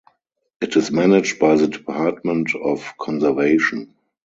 It is managed by the Department of Conservation.